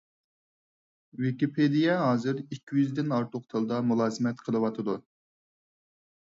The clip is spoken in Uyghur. ۋىكىپېدىيە ھازىر ئىككى يۈزدىن ئارتۇق تىلدا مۇلازىمەت قىلىۋاتىدۇ.